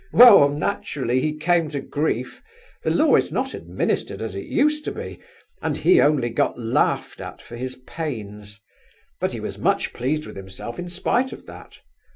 "Well! naturally he came to grief: the law is not administered as it used to be, and he only got laughed at for his pains. But he was much pleased with himself in spite of that.